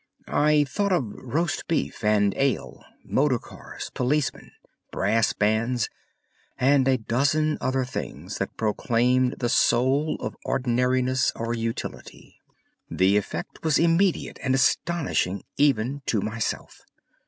I thought of roast beef, and ale, motor cars, policemen, brass bands, and a dozen other things that proclaimed the soul of ordinariness or utility. The effect was immediate and astonishing even to myself.